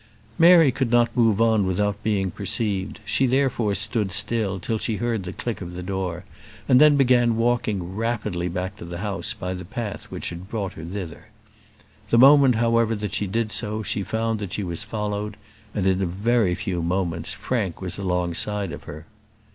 Mary could not move on without being perceived; she therefore stood still till she heard the click of the door, and then began walking rapidly back to the house by the path which had brought her thither. The moment, however, that she did so, she found that she was followed; and in a very few moments Frank was alongside of her.